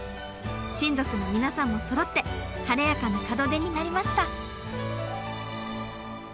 親族の皆さんもそろって晴れやかな門出になりました！